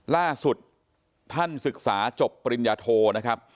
ล่าสุดท่านศึกษาจบปริญญาโทนะครับ